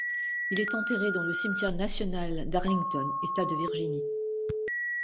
Il est enterré dans le cimetière national d'Arlington, État de Virginie.